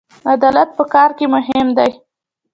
عدالت په کار کې مهم دی